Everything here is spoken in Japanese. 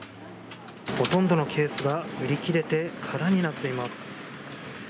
ほとんどのケースが売り切れて空になっています。